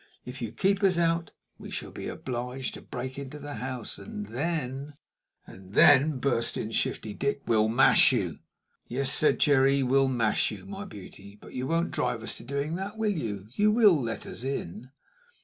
If you keep us out, we shall be obliged to break into the house and then " "And then," burst in Shifty Dick, "we'll mash you!" "Yes," said Jerry, "we'll mash you, my beauty. But you won't drive us to doing that, will you? You will let us in?"